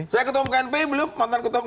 saya ketemu knp belum mantan ketemu